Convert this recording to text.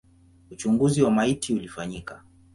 Uchunguzi wa maiti ulifanyika.